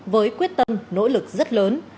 với quyết tâm nỗ lực rất lớn